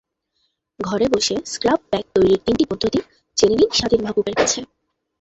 ঘরে বসে scrub pack তৈরির তিনটি পদ্ধতি জেনে নিন শাদীন মাহবুবের কাছে।